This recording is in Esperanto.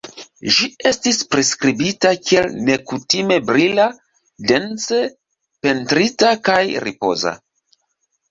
Ĝi estis priskribita kiel "nekutime brila, dense pentrita, kaj ripoza".